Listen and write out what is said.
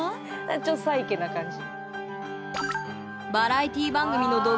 ちょっとサイケな感じ。